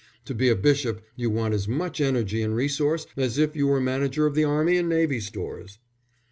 To be a bishop you want as much energy and resource as if you were manager of the Army and Navy Stores."